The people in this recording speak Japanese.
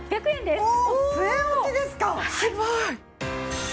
すごい！